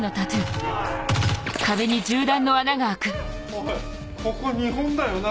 おいここ日本だよな？